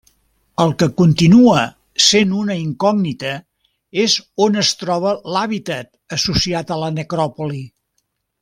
El que continua sent una incògnita és on es troba l’hàbitat associat a la necròpoli.